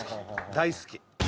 大好き。